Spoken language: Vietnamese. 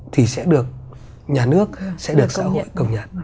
thì sẽ được nhà nước sẽ được xã hội công nhận